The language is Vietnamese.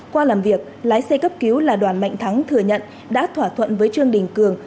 qua làm việc lái xe cấp cứu là đoàn mạnh thắng thừa nhận đã thỏa thuận với trương đình cường